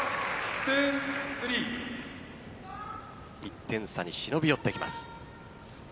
１点差に忍び寄ってきます。